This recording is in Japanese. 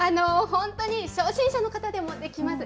本当に初心者の方でもできます。